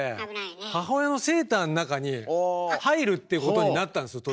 母親のセーターの中に入るっていうことになったんですよ